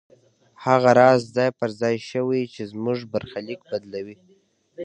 هغه راز ځای پر ځای شوی چې زموږ برخليک بدلوي.